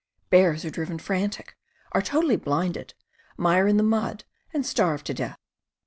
Bears are driven frantic, are totally blinded, mire in the mud, and starve to death.